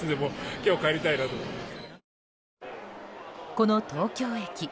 この東京駅。